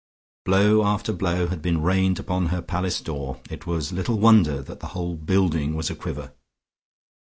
Blow after blow had been rained upon her palace door, it was little wonder that the whole building was a quiver.